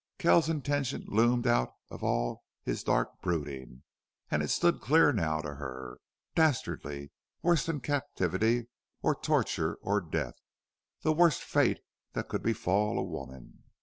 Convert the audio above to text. Kells's intention loomed out of all his dark brooding, and it stood clear now to her, dastardly, worse than captivity, or torture, or death the worst fate that could befall a woman.